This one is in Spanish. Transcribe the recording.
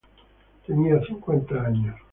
Tenía cincuenta años.